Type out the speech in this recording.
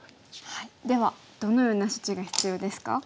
ではどのような処置が必要ですか？